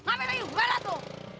ngapain lagi ubalat lu